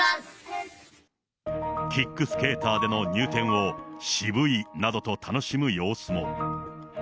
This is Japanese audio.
キックスケーターでの入店を、渋いなどと楽しむ様子も。